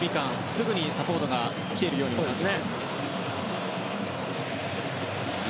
すぐにサポートが来ているように見えます。